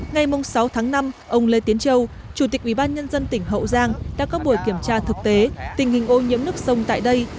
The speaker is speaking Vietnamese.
ngày sáu tháng năm ông lê tiến châu chủ tịch ubnd tỉnh hậu giang đã có buổi kiểm tra thực tế tình hình ô nhiễm nước sông tại đây